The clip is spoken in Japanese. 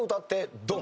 ドン！